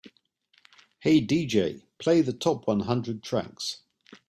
"Hey DJ, play the top one hundred tracks"